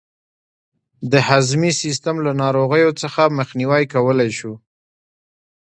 د هضمي سیستم له ناروغیو څخه مخنیوی کولای شو.